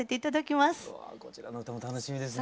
うわこちらの歌も楽しみですね。